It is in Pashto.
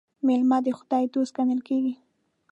مېلمه د خداى دوست ګڼل کېږي.